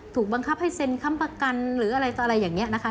ถูกบังคับให้เซ็นค้ำประกันหรืออะไรอย่างนี้นะคะ